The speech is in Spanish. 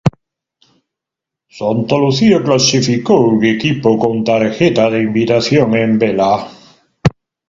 Santa Lucía clasifico un equipo con tarjeta de invitación en Vela